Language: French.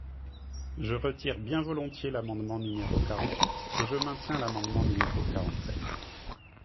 Je retire bien volontiers l’amendement numéro quarante-huit, et je maintiens l’amendement numéro quarante-sept.